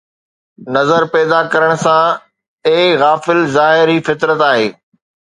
نظر پيدا ڪرڻ سان، اي غافل ظاهر ئي فطرت آهي